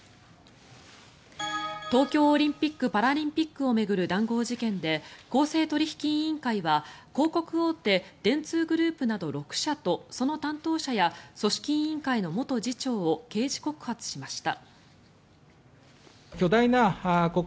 東京オリンピック・パラリンピックを巡る談合事件で公正取引委員会は広告大手、電通グループなど６社とその担当者や組織委員会の元次長を刑事告発しました。